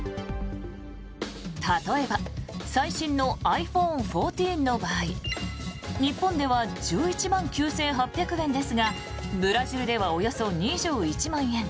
例えば最新のｉＰｈｏｎｅ１４の場合日本では１１万９８００円ですがブラジルではおよそ２１万円。